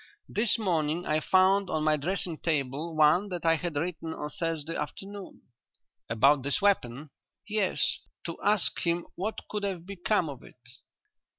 This morning I found on my dressing table one that I had written on Thursday afternoon." "About this weapon?" "Yes; to ask him what could have become of it."